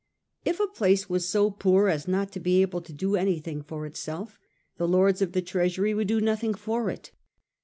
If a place was so poor as not to be able to do anything for itself, the Lords of the Trea sury would do nothing for it.